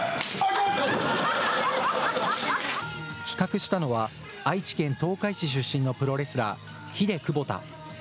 企画したのは、愛知県東海市出身のプロレスラー、ヒデ久保田。